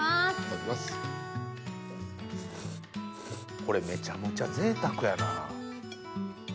これめちゃめちゃぜいたくやな。